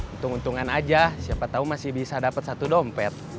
untung untungan aja siapa tahu masih bisa dapat satu dompet